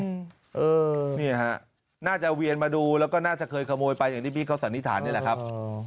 นี่ฮะน่าจะเวียนมาดูแล้วก็น่าจะเคยขโมยไปอย่างที่พี่เขาสันนิษฐานนี่แหละครับ